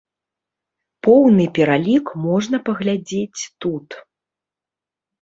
Поўны пералік можна паглядзець тут.